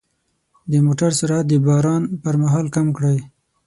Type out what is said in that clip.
د موټر سرعت د باران پر مهال کم کړئ.